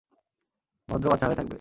ভদ্র বাচ্চা হয়ে থাকবে।